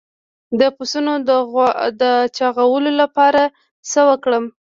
د پسونو د چاغولو لپاره څه ورکړم؟